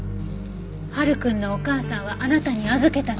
晴くんのお母さんはあなたに預けたと。